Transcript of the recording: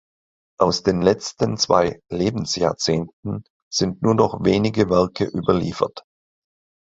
Aus den letzten zwei Lebensjahrzehnten sind nur noch wenige Werke überliefert.